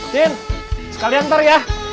tin sekalian ntar ya